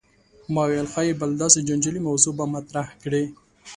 ما ویل ښايي بله داسې جنجالي موضوع به مطرح کړې.